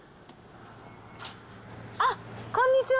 あっ、こんにちは。